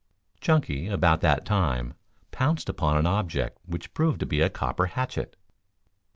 Chunky, about that time, pounced upon an object which proved to be a copper hatchet.